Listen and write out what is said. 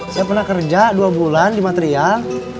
saya pernah kerja dua bulan di material